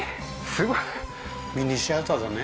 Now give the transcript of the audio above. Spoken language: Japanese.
すごいミニシアターだね